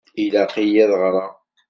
Ilaq-iyi ad ɣṛeɣ.